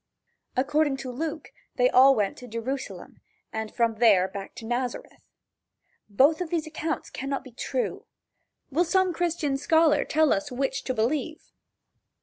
According to Luke they all went to Jerusalem, and from there back to Nazareth. Both of these accounts cannot be true. Will some Christian scholar tell us which to believe?